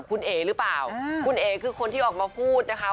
คุณเอ๋หรือเปล่าคุณเอ๋คือคนที่ออกมาพูดนะคะ